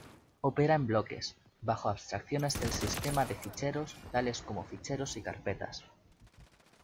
Opera en bloques, bajo abstracciones del sistema de ficheros tales como ficheros y carpetas.